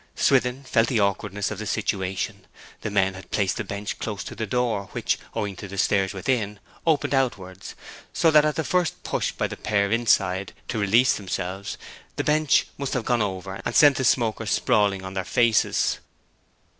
Swithin felt the awkwardness of the situation. The men had placed the bench close to the door, which, owing to the stairs within, opened outwards; so that at the first push by the pair inside to release themselves the bench must have gone over, and sent the smokers sprawling on their faces.